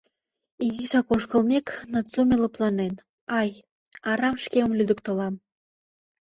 Изишак ошкылмек, Нацуме лыпланен: «Ай, арам шкемым лӱдыктылам...